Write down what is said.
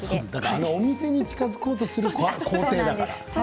お店に近づこうとする工程だから。